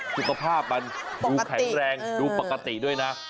สุขภาพมันดูแข็งแรงดูปกติด้วยนะ